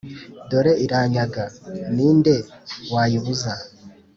dore iranyaga, ni nde wayibuza’